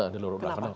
iya di daur ulang